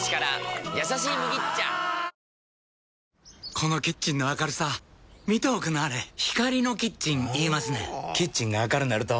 このキッチンの明るさ見ておくんなはれ光のキッチン言いますねんほぉキッチンが明るなると・・・